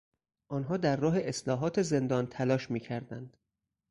آنها در راه اصلاحات زندان تلاش میکردند.